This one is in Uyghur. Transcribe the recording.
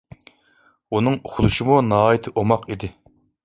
ئۇنىڭ ئۇخلىشىمۇ ناھايىتى ئوماق ئىدى.